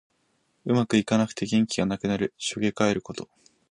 うまくいかなくて元気がなくなる。しょげかえること。